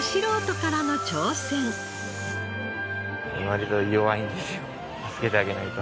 割と弱いんですよ。